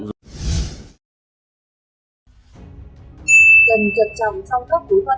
cần trật trọng trong các cú quan hệ viết bản qua mạng